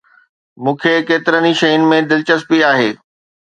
مون کي ڪيترن ئي شين ۾ دلچسپي آهي